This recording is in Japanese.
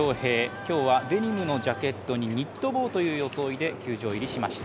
今日は、デニムのジャケットにニット帽という装いで球場入りしました。